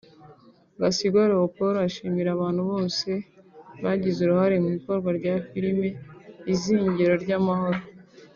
Gasigwa Leopord ashimira abantu bose bagize uruhare mu ikorwa rya Filime Izingiro ry’amahoro